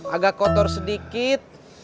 agak kotor sedikit